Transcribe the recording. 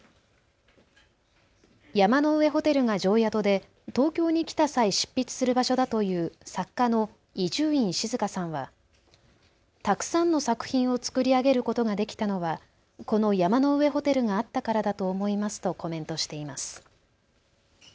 山の上ホテルが定宿で東京に来た際、執筆する場所だという作家の伊集院静さんはたくさんの作品を創り上げることができたのはこの山の上ホテルがあったからだと思いますとコメントしています。